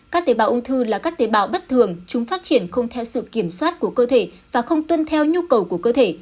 các tế bào ung thư là các tế bào bất thường chúng phát triển không theo sự kiểm soát của cơ thể và không tuân theo nhu cầu của cơ thể